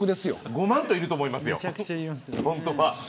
ごまんといると思いますよ。